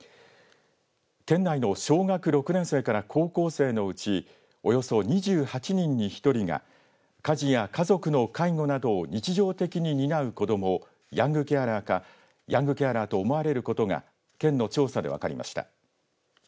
県内の小学６年生から高校生のうちおよそ２８人に１人が家事や家族の介護などを日常的に担う子どもヤングケアラーかヤングケアラーと思われることが県の調査で分かりました。